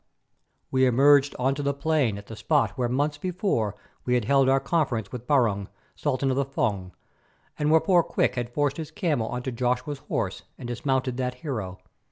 We emerged on to the plain at the spot where months before we had held our conference with Barung, Sultan of the Fung, and where poor Quick had forced his camel on to Joshua's horse and dismounted that hero.